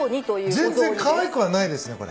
全然かわいくはないですねこれ。